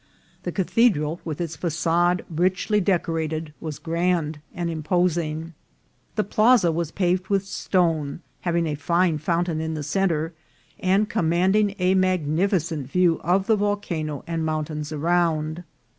The Cathedral, with its facade richly decorated, was grand and imposing. The plaza was paved with stone, having a fine fountain in the centre, and com manding a magnificent view of the volcano and mount ains around.